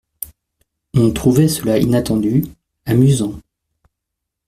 On trouvait cela inattendu, amusant.